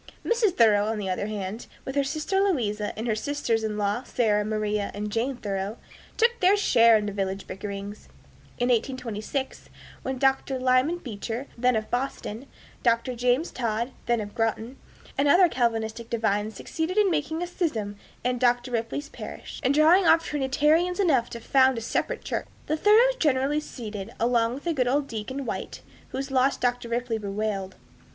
Mrs. Thoreau, on the other hand, with her sister Louisa and her sisters in law, Sarah, Maria, and Jane Thoreau, took their share in the village bickerings. In 1826, when Dr. Lyman Beecher, then of Boston, Dr. John Todd, then of Groton, and other Calvinistic divines succeeded in making a schism in Dr. Ripley's parish, and drawing off Trinitarians enough to found a separate church, the Thoreaus generally seceded, along with good old Deacon White, whose loss Dr. Ripley bewailed.